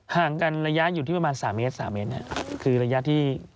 ห่างกันระยะอยู่ที่ประมาณ๓เมตร๓เมตรคือระยะที่